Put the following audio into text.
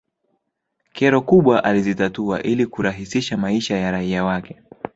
kero kubwa alizitatua ili kurahisisha maisha ya raia wake